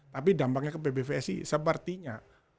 tapi dampaknya ke pbvsi sepertinya